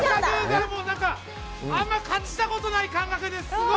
あんまり感じたことない感覚で。